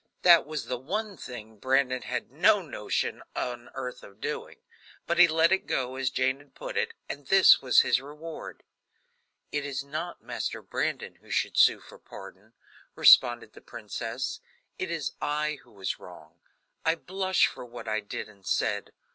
That was the one thing Brandon had no notion on earth of doing, but he let it go as Jane had put it, and this was his reward: "It is not Master Brandon who should sue for pardon," responded the princess, "it is I who was wrong. I blush for what I did and said.